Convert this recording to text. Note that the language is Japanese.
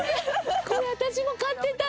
これ私も買ってた！